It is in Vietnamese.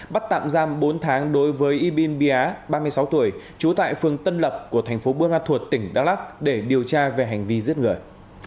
bắt tạm giam bốn tháng đối với y bin bia ba mươi sáu tuổi trú tại phường tân lập của thành phố buôn ma thuột tỉnh đắk lắc để điều tra về hành vi giết người